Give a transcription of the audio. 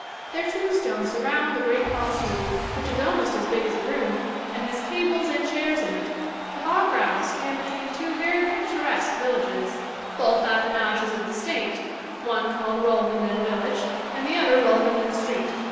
Their tombstones surround the great Hall pew, which is almost as big as a room, and has tables and chairs in it. The Hall grounds stand between two very picturesque villages, both appanages of the estate, one called Rolvenden Village and the other Rolvenden Street.